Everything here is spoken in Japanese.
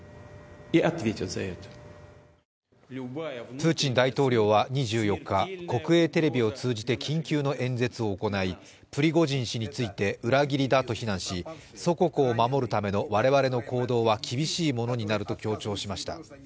プーチン大統領は２４日国営テレビを通じて緊急の演説を行い、プリゴジン氏について裏切りだと非難し、祖国を守るための我々の行動は厳しいものになると強調しました。